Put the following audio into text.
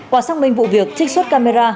quả xác minh vụ việc trích xuất camera